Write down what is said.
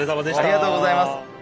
ありがとうございます。